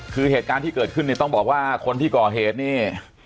คือเหตุการณ์ที่เกิดขึ้นเนี่ยต้องบอกว่าคนที่ก่อเหตุนี่